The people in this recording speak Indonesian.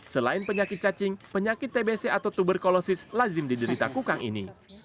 selain penyakit cacing penyakit tbc atau tuberkulosis lazim diderita kukang ini